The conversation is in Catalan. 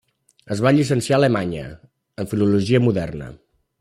Es va llicenciar a Alemanya en filologia moderna.